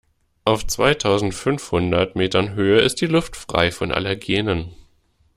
Auf zweitausendfünfhundert Metern Höhe ist die Luft frei von Allergenen.